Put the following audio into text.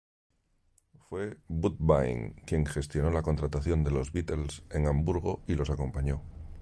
Fue Woodbine quien gestionó la contratación de Los Beatles en Hamburgo y los acompañó.